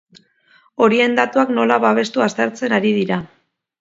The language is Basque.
Horien datuak nola babestu aztertzen ari dira.